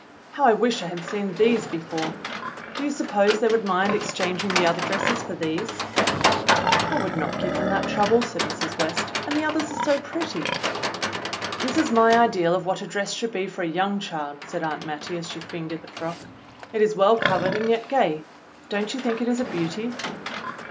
"How I wish I had seen these before! Do you suppose they would mind exchanging the other dresses for these.?" "I would not give them that trouble," said Mrs. West, "and the others are so pretty." "This is my ideal of what a dress should be for a young child," said Aunt Mattie, as she fingered the frock. "It is ,well covered and yet gay. Don't you think it is a beauty.?"